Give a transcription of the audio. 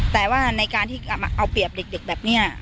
แต่ว่าในการที่เอาเปรียบเด็กแบบนี้